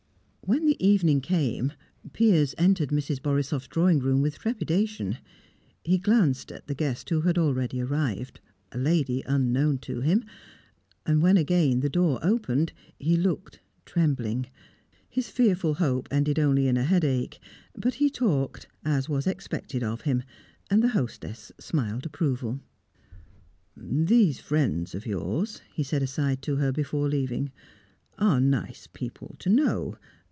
When the evening came, Piers entered Mrs. Borisoff's drawing room with trepidation. He glanced at the guest who had already arrived a lady unknown to him. When again the door opened, he looked, trembling. His fearful hope ended only in a headache, but he talked, as was expected of him, and the hostess smiled approval. "These friends of yours," he said aside to her, before leaving, "are nice people to know.